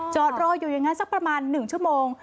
จอดรออยู่อย่างนั้นสักประมาณ๑ชั่วโมง